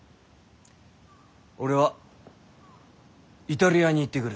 俺はイタリアに行ってくる。